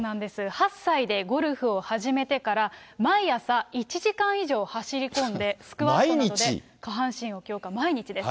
８歳でゴルフを始めてから、毎朝１時間以上走り込んで、スクワットなどで下半身を強化、毎日です。